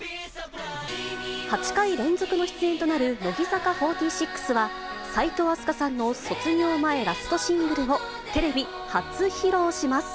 ８回連続の出演となる乃木坂４６は、齋藤飛鳥さんの卒業前ラストシングルをテレビ初披露します。